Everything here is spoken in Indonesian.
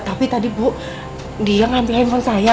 tapi tadi bu dia ngambil handphone saya